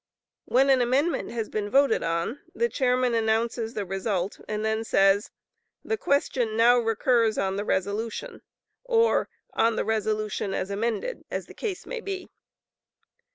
When an amendment has been voted on, the chairman announces the result, and then says, "The question now recurs on the resolution," or, "on the resolution as amended," as the case may be.